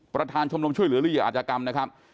ประธานชมรมช่วยเหลือเหยื่ออาจกรรมนะครับ